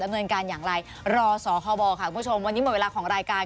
เงินการอย่างไรรอสคบค่ะคุณผู้ชมวันนี้หมดเวลาของรายการ